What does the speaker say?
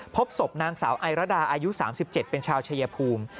พบศพนางสาวไอรดาอายุ๓๗เป็นชาวชายภูมิ